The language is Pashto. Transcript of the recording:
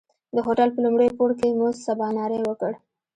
د هوټل په لومړي پوړ کې مو سباناری وکړ.